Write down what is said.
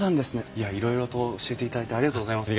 いやいろいろと教えていただいてありがとうございます。